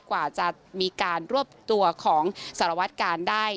กว่าจะมีการรวบตัวของสารวัตกาลได้